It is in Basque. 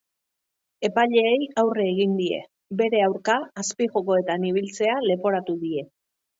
Epaileei aurre egin die, bere aurka azpijokoetan ibiltzea leporatu die.